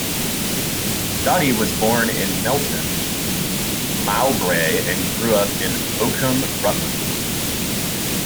Doughty was born in Melton Mowbray and grew up in Oakham, Rutland.